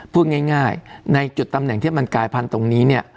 พูดง่ายในจุดตำแหน่งที่มันกลายพันธุ์ตรงนี้เนี่ย